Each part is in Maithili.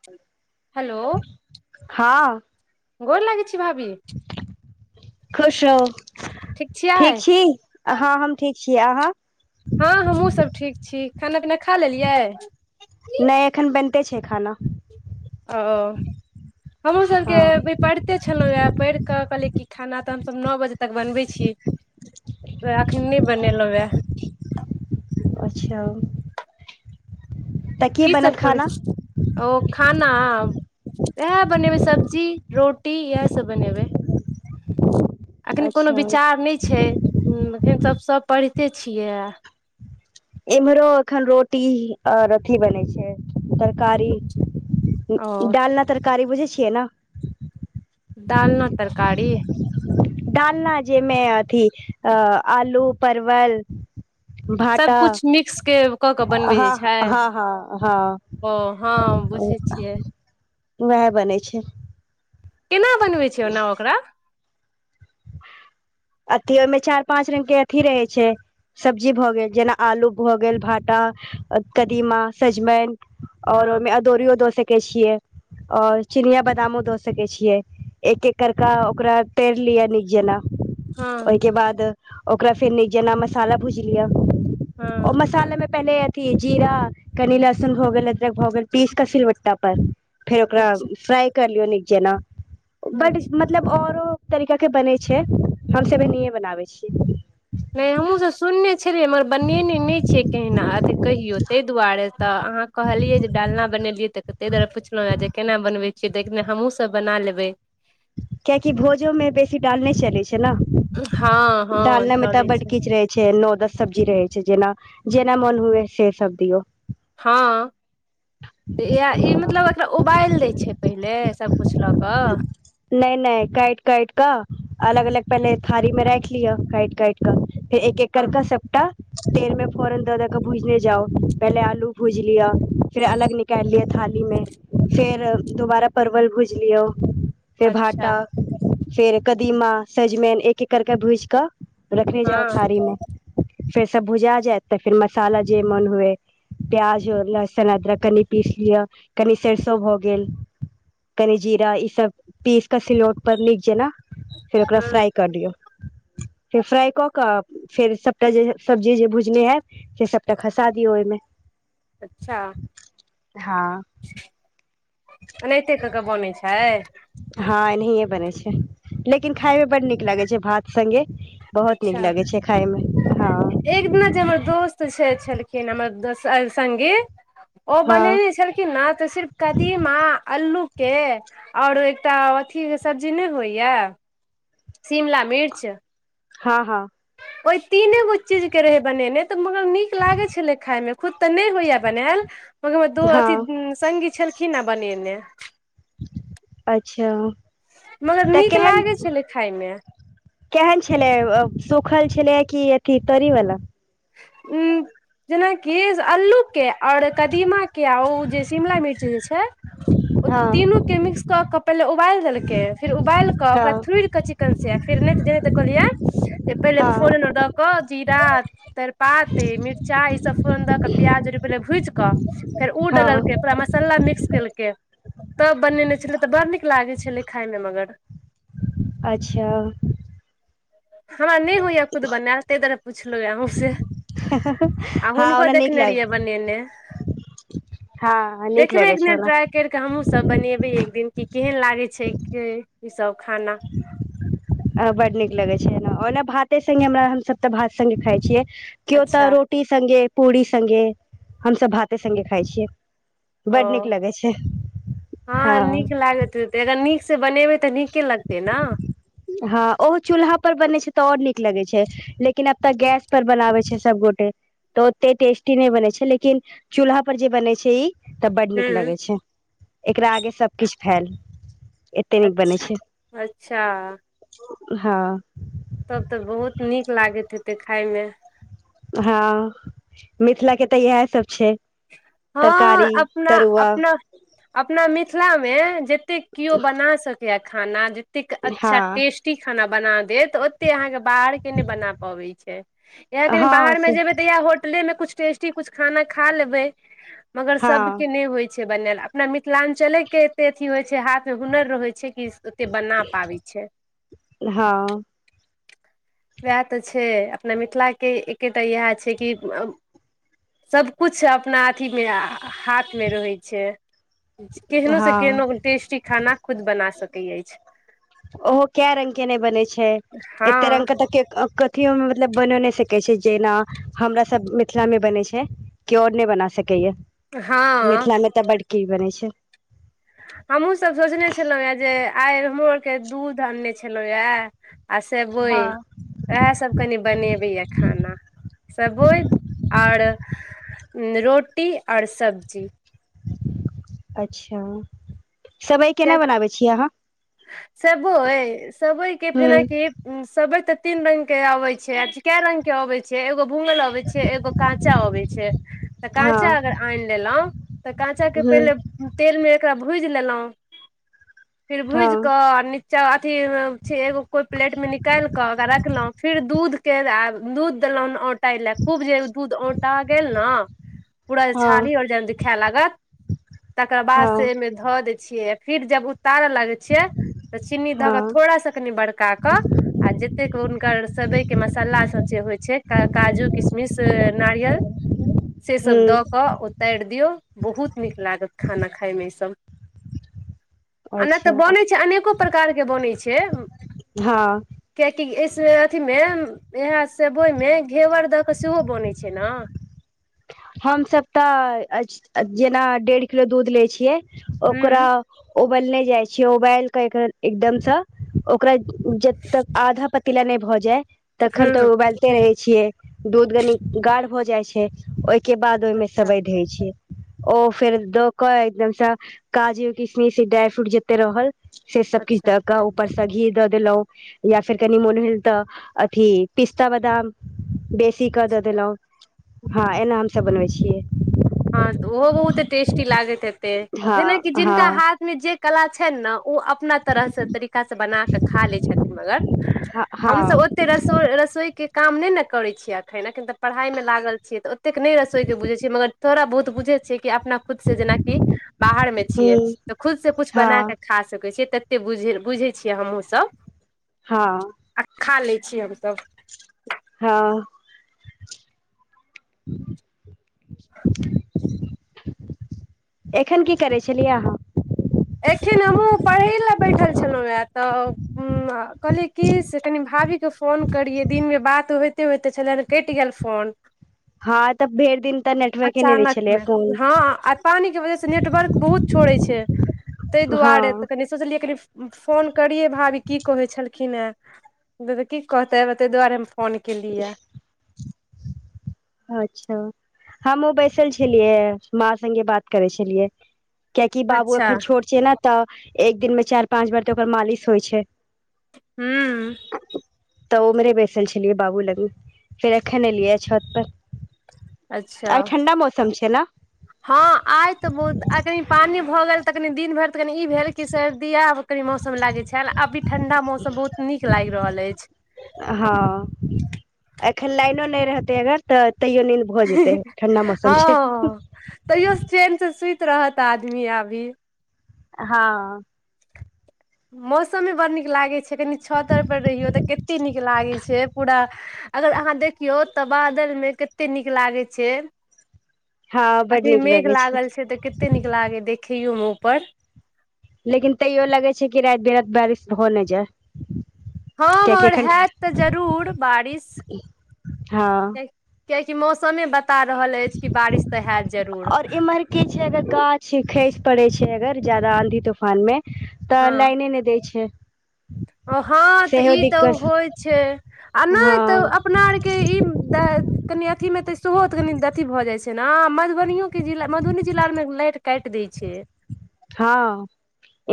ह [inaudible] हेलो गोर लागि छै भाभी खुश रहू ठीक छी हँ हम ठीक छीयै अहाँ हँ हमहुँ सभ ठीक छी खाना पीना खा लेलियै नहि एखन बनिते छै खाना आ ओ हमर सबरके हँ भ प [unintelligible] कते छलहुँ हे पढ़ कऽ कहलियै की खाना तऽ हमसभ नओ बजे तक बनबै छी त अखन नहि बनेलहु वए अच्छा तऽ की सब बनत करै खाना छी ओ खाना इएह बनेबै सब्जी रोटी इएहसभ बनेबै एखनी कोनो अच्छा विचार नहि छै एखन त सभ पढ़िते छियै इम्हरो एखन रोटी आ अथि बने छै तरकारी ओ डालना तरकारी बुझै छियै ना दाल न तरकारी दाल न जेमे अथी अ आलू परवल भाटा सबकुछ मिक्स के कऽ के बनबै जे हाँ छै हाँ हाँ हाँ ओ हँ बुझै छियै वएह बनै छै केना बनबै छियै ओना ओकरा अथि ओहिमे चाइर पाच रंग के अथी रहै छै सब्जी भऽ गेल जेना आलू भऽ गेल भांटा कदीमा सजमेन हँ और ओहिमे अदोरीयो दो सकै छियै और चिनिया बादामो द सके छियै एक एक करक ओकरा तर लिए नी जेना हँ ओहिके बाद ओकरा फेर जना मसाला भुज लिअ हँ ओ मसालेमें जीरा कनी लहसुन भोगल अदरक भोगल पीस कय सीलवट्टा अपन फेर ओकरा अच्छा फ्राइ कर लियौ नीक जेना बट अच्छा मतलब औरो तरीका के बनै छै हमसब एनहि बनाबै छियै मेमू सुनने छलियै मगर बनेने नय छियै कहहिना अथी कहियौ ताहि दुआरे तऽ अहाँ कहलियै जे डालना बनेलियै तऽ तहि दुआरे पुछलहुँ ह जे केना बनबै छियै तऽ हमहूँसभ बना लेबै कियकि भोजो में बेसी डाल नहि चलै छै हँ हँ डालना में चलै तऽ छै बीच रहे छै नओ दस सब्जी रहै छै जेना जेना मोन हुए से सब दियऔ हाँ तऽ इह ई मतलब एकरा उबाइल दै छै पहिले सबकुछ लऽ कऽ नै नहि काटि काट केऽ अलग अलग पहिले थारी मे राखि लियअ काटि काटि क फेर एक एक हँ केरके सपटा तेल में फोरन दऽ दे कऽ भुजने जाउ पहिले आलू भुज लिया फेर अलग क लिये थाली में फेर दोबारा परवल भुइजलियो फेर अच्छा भांटा फेर कदीमा सजमनि एक एक करके भुज कऽ रखनै जाउ हँ थारी मे फेर सब भुजा जायत तऽ फेर मसाला जे मन हुए प्याज और लहसुन अदरक कनि पीस लियअ कनि सरसो भऽ गेल कनी जीरा ई सब पीस कऽ सिलौट पर नीक जेना फेर ओकरा हँ फ्राई क दियौ फेर फ्राई कऽ कऽ फेर सबटा जे सब्जी जे भुजने है से सबटा खसा दियौ ओहिमे अच्छा हाँ एनाहिते क के बनै छै हँ एनाहिए बनै छै लेकिन खायमे बड नीक लिगै छै भात संगे बहुत अच्छा नीक लागै छै खाय मे एक दिना जे हमर दोस्त छै छलखिन हमर संगी ओ हँ बनेने छलखिन न तऽ सिर्फ कदीमा अल्लू के ओर एकटा अथीके सब्जी नहि होइए शिमला मिर्च हँ हँ ओहि तीने गो चीजके रहै बनेने तऽ मगर नीक लागै छलै खायइमे तऽ नहि होइया बनायल मगर हमर दो हँ अथी संगी छलखिने है बनेने अच्छा मगर तऽ नीक केहन लागै छै ने खायमे केहन छलै सूखल छलै कि अथी तरी वला ह जेनाकि अल्लू के और कदीमा के आ ओ जे शिमला मिर्च जे छै ओ हँ तीनू के मिक्स कऽ क पहिले उबालि देलकै फेर उबालि कऽ हँ ओकरा थोड़िकऽ न से फेर नहि जेनाते कहलियै जे पहिले हँ फोरन द क जीरा तेजपात मिर्चा ईसब फोरन दऽ कऽ प्याज र पहिले भुजि कऽ फेर ओ हँ डलके पूरा मसाला मिक्स केलकै तब बनेने छलै तऽ बड़ नीक लागे छलै खायमे मगर अच्छा हमरा नहि होइया खुद बनायल ताहि दुआरे पुछलहुँ य अहूँ से आ हँ हुनको ओना नीक देखने लागे रहियै बनेने अछि हँ नीक लागे छै कर कऽ हमहूँ सब बनेबै एक दिन क केहन लागे छै ईसभ खाना बड्ड नीक लगै छै ओना भाते सगे हम हमसभ तऽ भात संगे खाई छियै केओ तऽ अच्छा रोटी संगे पूड़ी संगे हमसब भाते सगे खाय छियै ओ बड नीक लगै छै हँ नीक लागैत अगर नीक से बनेबै तऽ नीके लगतै ने हँ ओहो चूल्हा पर बनै छै तऽ और नीक लगै छै लेकिन अब तऽ गैस पर बनाबे छै सबगोटे तऽ ओते टेस्टी नहि बनै छै लेकिन चूल्हा पर जे बने छै ई तऽ बड्ड नीक हूँ लगै छै एकरा आगे सबकिछ फैल नीक बनै अचछ छै अच्छा हँ तब तऽ बहुत नीक लागैत हेते खाय मे हँ मिथिला के तऽ इएह सब छै हँ तरकारी अपना तरुआ अपना अपना मिथिलामे जतेक केओ बना सकैए खाना एतेक हँ अच्छा टेस्टी खाना बना दे तऽ ओते अहाँके बाहर के नहि बना पबै छै जाए दिहि हँ बाहरं से जेबे त यहा होटलें कुछ टेस्ट कुछ खाना खा लेबै मगर हँ सब के ने होइ छै बनाल अपना मिथिलां्चले के एते अथी होइ छै हाथ मे हुनर रहै छै कि से बना पाबै छै हँ उएह तऽ छै अपना मिथिलाके एकेटा इएह छै कि सब कुछ अपना अथी मे हाथ मे रहै छै केहनो से हँ केहनो टेस्टी खाना खुद बना सकैत अछि ओहो क रंग के नहि बने छै एते हँ रंगग के तऽ अ मे मतलब बन नहि सकैत छै जेना हमरा सब मिथिला मे बनै छ केओर नहि बना सकैया हँ मिथिला मे तऽ बड़की बनै छै हमहूँसभ सोचने छलहुँ हे जे आइ हमरो आरके दूध आनने छलहुँ यए आ सेबइ हँ वएह सब कनी बनेबै य खाना सबोइ आओर रोटी आओर सब्जी अच्छा सेवइ केना बनाबै छियै अहाँ सेवइ सेवइ के फेनाकि सेवइ तऽ तीन रंग के अबै छै कय रंग के अबे छै एगो भूगल अबे छै एगो काँचा होबै छै तऽ काँचा अगर आनि लेलहुँ तऽ काँचाके हूँ हँ हूँ पहिले तेलमे एकरा भूजि लेलहुँ फिर हँ भूज कऽ नीचा अथी एगो कोई प्लेट में निकालिके ओकरा रखलहुॅं फेर दूध के दूध देलहुं ताहि ले खूब जे दूध औंटा गेल ने पूरा जे हँ छाली आर जे खाय लागत तकर बाद हँ से एहिमे धऽ देय छियै फिर जब उतारऽ लागे छियै तऽ चीनी हँ धऽ के थोड़ा से कनी बड़कााक आ जतेक हुनकर सेवइ के मसाला सब जे होइ छै काजू किशमिश नारियल सेसभ दऽ हूं कऽ उतार दियौ बहुत नीक लागत खाना खाायमे ईसभ आ नहि तऽ अच्छा बनै छै अनेको प्रकार के बनै छै हँ कियाकि इस अथिमे इएह सेबइमे घेवर दऽ कऽ सेहो बनैत छै ने हम सब तऽ जेना डेढ़ किलो दूध लय छियै हूँ ओकरा उबालने जाय छिये उबाल के एकदम से ओकरा जब तक आधा प पला नहि भऽ जाय तखन हूँ तऽ उबालते रहे छियै दूध कनी गाढ़ भऽ जाइ छै के बाद ओहिमे अच्छा सवैध होइ छै ओ फेर दोक एकदम सकाजू किसमिश ड्रााय फ्रूट जते रहल से सब किछु अच्छा दऽ कऽ ऊपरस घी दऽ देलहुं या फेर कनि मोन भेल तऽ अथी पिस्ता बादाम बेसी सीकऽ दऽ अच्छा देलहुं हँ एना हमसब बनबै छियै हँ ओहो बहुत टेस्टी लगैत हेते हँ जेनाकि जिनका हँ हाथ जे कला छनि नऽ ओ अप अपना तरह सं तरीकासँ बनााक खा लै छथिन मगर हँ हँ हमसब रसोई रसोई के काम नहि ने करे छीये अखन एखन तऽ पढ़ाई मे लागल छियै तऽ ओतेक नय रसोइ के बुझै छियै मगर थोड़ा बहुत बुझे छियै कि अपना खुद से जेनाकि बाहर में छियै हुँ तऽ खुदसँ कु हँ बना कऽ खा सकैत छियै तऽ एत्ते बुझे ले बुझै छियै हमहुँ सब हँ आ खा लै छी हमसब हँ [inaudible] एखन की करै छलियै अहाँ एखन हमहुँ पढ़ै लए बैठल छलहुँ हए तऽ ह कहलियै कि से कनि भाभीके फोन करियै दिनमे बात होइते होइते छलनि केटी एल फोन हँ तऽ भरि दिन तऽ नेटवर्के नहि दै अचानक छलै मे फोन हँ आ पानी के वजह से नेटवर्क बहुत छोड़ै छै ताहि दुआरे हँ तऽ कनि सोचलियै कनि फोन करियै भाभी की कहैत छलखिन ख ह द की कहते ह ताहि दुआरे मे फोन केली हे अच्छा हमहु बैसल छलियै माँ संगे बात करै छलियै यै कियैकि बाबू अच्छा एखन छोट छै ने तऽ एक दिन मे चारि पाँच बेार तऽ ओकर मालिश होइ छै हूँ तऽ ओम्हरे बैसल छलियै बाबू लगमे फेर रखे ने लियए छत पर अच्छा आइ ठण्डा मौसम छै ने हँ आय तऽ बहुत आ कनि पानी भऽ गेल तऽ कनि दिन भरि कनी ई भेल की सर्दिया कनी मौसम लागे छै अभी ठंडा मौसम बहुत नीक लागे रहल अछि हँ एखन लाइनो नहि रहते अगर तऽ तैयो नींद भऽ जेतै ठंडा मौसम छै हँ तैयो ट्रेन से सुति रहत आदमी अभी हँ मौसम में बड़ नीक लागैत छै क छतर पर रहि तऽ कत नीक लागै छै पूरा अगर अहाँ देखियौ तऽ बादल में कतेक नीक लागै छै हँ बड अखन नीक मेघ लगै लागल छै तऽ कते नीक लागै देखैयो में ऊपर लेकिन तैयो लगे छै कि राति बिराति बारिश हो नहि जाय हँ कियाकि मगर एखन होयत तऽ जरूर बारिश हँ कियाकि मौसमे बता रहल अछि कि बारिश तऽ हैत जरूर किछु अगर गाछ खसि पड़ै छै अगर जदा आँधी तूफान में तऽ हँ लाइने नहि दै छै हँ तऽ ई सेहो तऽ दिक्कत होइ छै आ नहि तऽ हँ अपना आरके कहिं दऽ कनि अथिमे तऽ सेहो धनि अथि भऽ जाइत छै नऽ आ मधुबनियो के जिला मधुबनी जिलामे लाइट काटि दै छै हँ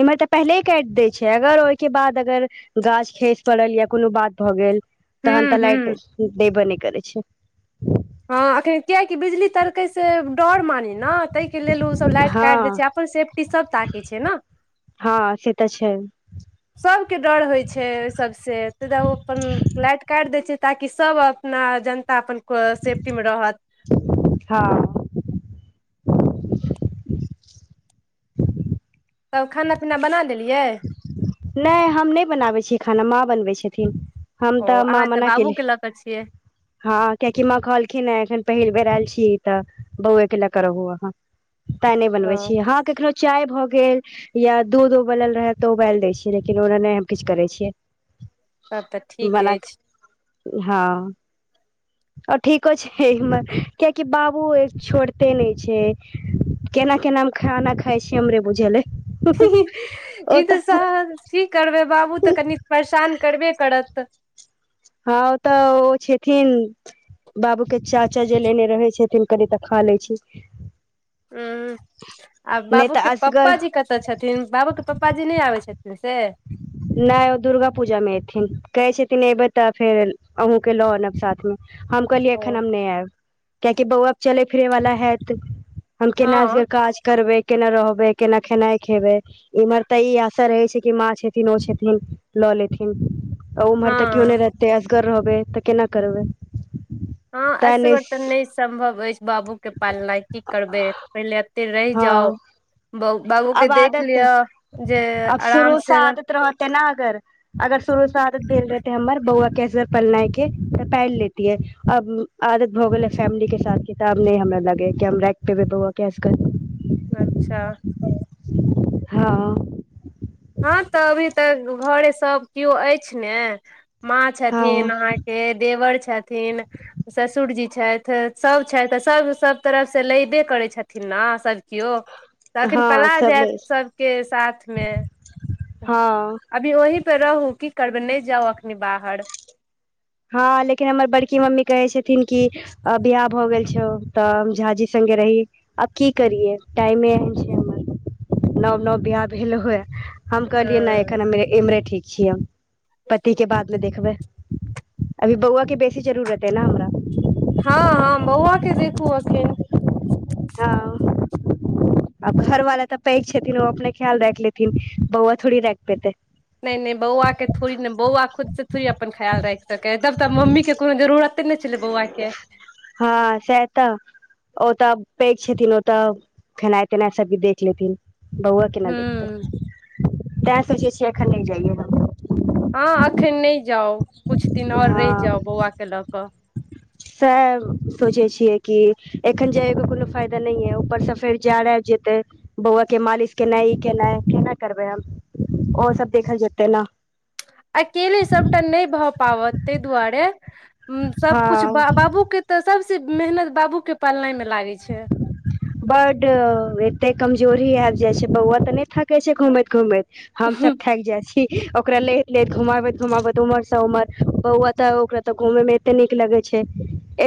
इम्हर तऽ पहिले काटि दै छै अगर ओहिके बाद अगर गाछ खसि पड़ल या कोनो बात भऽ गेल हूँ तहन तऽ लाइट हूँ देबे नहि करै छै हँ अखन कियकि बिजली तड़कै से डर मानी ने तय के लेल ओ सब लाइट हँ काटि दै छै अपन सेफ्टी सब ताके छै ने हँ से तऽ छै सभके डर होइत छै ओहि सभसँ ताहि दुआ ओ अपन लाइट काटि दैत छै ताकि सभ अपना जन तऽ अपन सेफ्टी मे रहत हँ [unintelligible] तब खाना पीना बना लेलियै नहि हम नहि बनाबैत छियै खाना माँ बनबैत छथिन हम हम ओ तऽ म अहाँ म ना केलै बाबूके लऽ कऽ छियै हँ कियाकि माँ कहलखिन ह एखन पहिल बेर आयल छी तऽ बौएके ल कर रहू अहाँ ताय नहि बनबै ओ छी हँ कखनो चाय भऽ गेल या दूधो बनल कन्है तो उबालि दै छियै लेकिन ओना नहि हम किछु करै छियै तब तऽ ठीक बना अछि हँ ओ ठीको छै एहिमे कियाकि बाबू छोड़ते नहि छै केना केना हम खाना खाइ छी हमरे बुझल अय ई त स की करबै बाबू तऽ कनि परेशान करबे करत हँ ओतऽ ओ छथिन बाबू के चाचा जे लेने रहे छथिन की तऽ खा लै छी ह आ नहि बाबू तऽ के असगर पप्पा जी कत तऽ छथिन बाबूे प्पाजी नहि आबै छथिन से नै ओ दुर्गा पूजा मे ऐथिन कहै छथिन एबै तऽ फेर अहूँ के लऽ आनब साथ मे हम कहलियै ओ एखन हम नहि आयब कियाकि बौआ चलै फिरै वाला हयैत हम केना से हँ काज करबै केना रहबै केना खेनाइ खेबै इम्हर तऽ ई आशा रहै छै की माँ छथिन ओ छथिन लऽ लेथिन उम्हर तऽ केओ नहि हँ रहते कर रहबै तऽ केना करबै हँ अशवर् तन नहि सम्भव अछि बाबू के पालनाइ की करबै पहिले एत रहि हँ जाउ ब बाबू के आब देख आदत लिअ जे आराम से अगर तेना अगर अगर शुरू श आदत देल रहेते हमर बौआ कैस पलनाइ के तऽ पाइल लेतीयै अब आदत भऽ गेलै फैमिली के साथ के तऽ आब नहि हमरा लागैये की हम राखि पे बे बआेज क अच्छा हँ हँ तऽ अभी तऽ घरे सभ कियो अछि ने माँ छथिन हँ अहाँके हे देवर छथिन ससुरजी छथि सभ छथि सभ सभ तरफसँ लैबे करै छथिन ने सभ केियौ त अखन हँ पला सब जायत ले सबके साथ मे हँ अभी ओहि पे रहू की करबे नहि जाउ अखनी बाहर हँ लेकिन हमर बड़की मम्मी कहै छथिन कि अ बियाह भऽ गेल छौ तऽ झा जी स्गे रही आब की करियै टाइमे एहन छै हमर नओ नव बिियाह भेल हे हम कहलियै न हँ एखन इम्हरे ठीक छियै हम पति के बाद मे देखबै अभी बौआ के बेसी जरूरत ह न हमरा हँ हँ बौआ के देखू अखन हउ आब घरवाला तऽ पैघ छथिन ओ अपने ख्याल राख लेथिन बौआ थोड़ी राखि पेतै नहि नहि बौआ के थोड़ी ने बौआ खुद से थोड़ी अपन ख्याल राख सक है जब तब मम्मी के कोनो जरूरत ने छलै बौआ के हँ से तऽ ओतऽ पैघ छथिन ओतऽ खेनाइ तेनाइ सब भी देख लेथिन बौआ केना हूँ देखतै तैं सोचै छियै एखन नै जाइयै न हँ अखन नहि जाउ किछु दिन आओर रहि हँ जाउ बौआ के लऽ कऽ सएह सोचै छियै कि एखन जायके कोनो फायदा नहिह है ऊपरसँ फेर जा रा आब जेतै बौआ के मालिश केना ई केनाइ केना करबे हम ओ सब देखल जेतै ने अकेले सबटा नहि भऽ पाबत ताहि दुआरे सबकुछ हँ ब बाबू के तऽ सबसे मेहनत बाबू के पालनाइ में लागे छै बड एते कमजोरी आइब जाय छै बौआ तऽ नहि थके छै घूमैत घूमैत हम सब ठाकि जाइ छी ओकरा लैत लैत घुमाबैत घुमाबैत उम्हर से उम्हर बौआतऽ ओकरा तऽ घूमे मे एते नीक लगे छै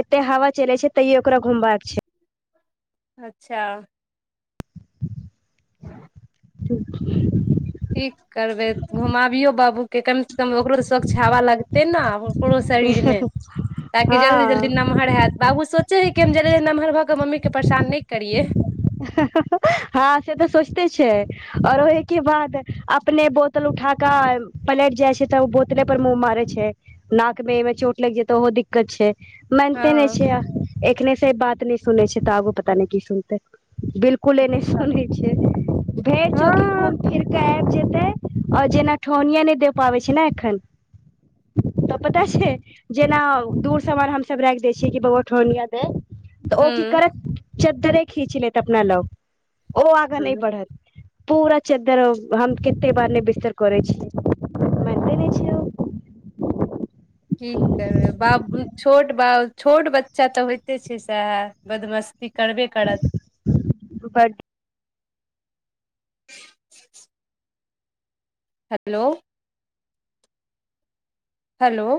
एते हवा चले छै तैयो ओकरा घूमबका के छै अच्छा [unintelligible] की करबै घुमाबियौ बाबू के कम से कम ओकरो तऽ स्वच्छ हवा लगतै न आब। पो शरीर छै में ताकि जल्दी जल्दी हँ नमहर हयत बाबू सोचे है कि हम ज नमहर भऽके मम्मी के परेशान नय करिये हँ से तऽ सोचते छै ओर ओहिके बाद अपने ब बोतल उठा क पलट जाइ छै तऽ ओ बोतले पर मुँह मारै छै नाक में एहिमे चोट लागि जेतै ओहो दिक्कत छै मानते नहि हँ छै एखने से बात न सुनै छै तऽ आगू पता न की सुनते बिल्कूल कुले नय अच्छा सुनै छ भ चौ हँ फिर के आइब जेतै ओर जेना ठौनए नहि दे पाबै छै ने एखन तऽ पता छै जेना दूर सान हमसब राखि दै छियै कि बो ठनिया दे तऽ ओ की हूँ करत चदरे खीच लेैत अपना लग ओ आगा नहि बढ़त पूरा चद्दर हम कते बार नै बिस्तर करै छियै मानते नहि छै की करबै बाप छोट ब छोट बच्चा तऽ होइते छै सएह बदमाश क करबै कत ब [inaudible] हेलो हेलो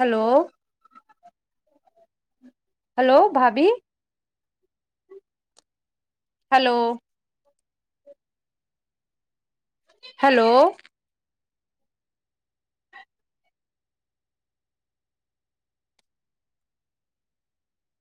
हेलो हेलो भाबी हेलो हेलो